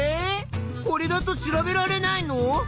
これだと調べられないの？